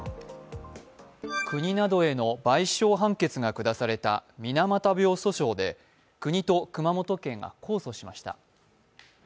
国などへの賠償判決が下された水俣病訴訟で国と熊本県が控訴しました。